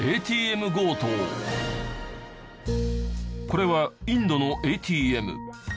これはインドのＡＴＭ。